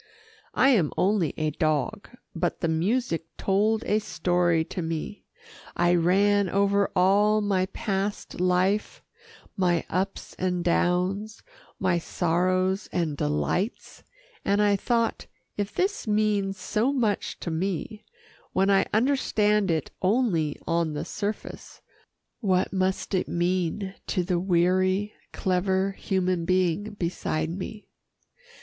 I am only a dog, but the music told a story to me. I ran over all my past life, my ups and downs, my sorrows and delights and I thought, if this means so much to me, when I understand it only on the surface, what must it mean to the weary, clever human being beside me.